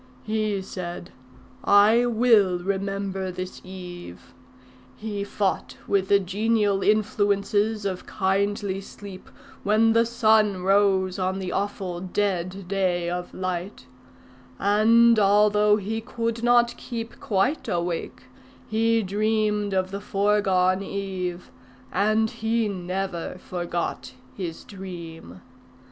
He said, 'I will remember this eve.' He fought with the genial influences of kindly sleep when the sun rose on the awful dead day of light; and although he could not keep quite awake, he dreamed of the foregone eve, and he never forgot his dream.